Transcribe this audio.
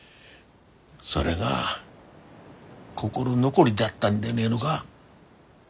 それが心残りだったんでねえのが？